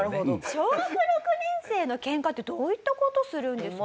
小学６年生のケンカってどういった事をするんですか？